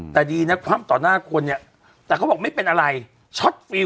แต่ดีน่ะความต่อหน้าควรเนี่ยแต่เขาบอกไม่เป็นอะไร